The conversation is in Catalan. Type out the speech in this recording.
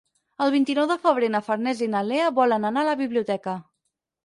El vint-i-nou de febrer na Farners i na Lea volen anar a la biblioteca.